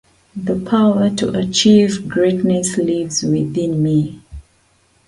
He, with Georgette Heyer, founded the Regency romantic genre.